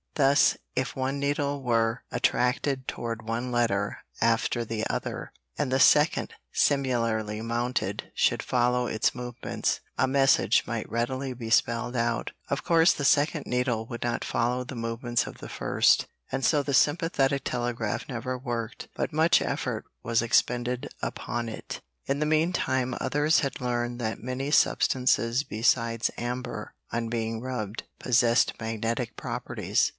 Thus, if one needle were attracted toward one letter after the other, and the second similarly mounted should follow its movements, a message might readily be spelled out. Of course the second needle would not follow the movements of the first, and so the sympathetic telegraph never worked, but much effort was expended upon it. In the mean time others had learned that many substances besides amber, on being rubbed, possessed magnetic properties.